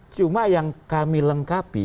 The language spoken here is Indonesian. cuma yang kami lengkapi